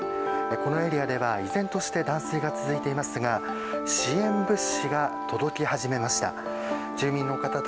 このエリアでは依然として断水が続いていますが支援物資が届き始めました。